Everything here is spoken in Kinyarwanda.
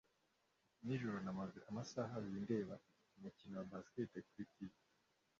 Nijoro namaze amasaha abiri ndeba umukino wa baseball kuri TV.